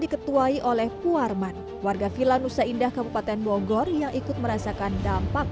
diketuai oleh puarman warga villa nusa indah kabupaten bogor yang ikut merasakan dampak